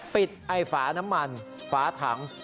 ไอ้ฝาน้ำมันฝาถัง